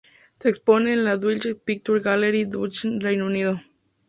Se expone en la Dulwich Picture Gallery, Dulwich, Reino Unido.